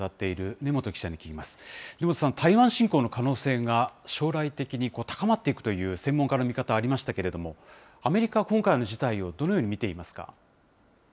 根本さん、台湾侵攻の可能性が、将来的に高まっていくという専門家の見方、ありましたけれども、アメリカは今回の事態を、どのように見ていますか。